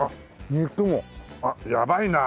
肉もあっやばいな。